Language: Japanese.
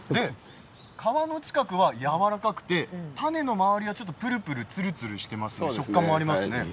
皮の近くは、やわらかくて種の周りはちょっとぷるぷる、つるつるしている食感があります。